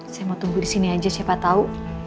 saya mau tunggu disini aja siapa tau